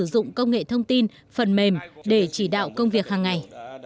bộ sẽ sử dụng công nghệ thông tin phần mềm để chỉ đạo công việc hàng ngày